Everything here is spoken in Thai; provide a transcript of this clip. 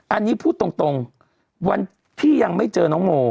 อันนี้พูดตรงวันที่ยังไม่เจอน้องโม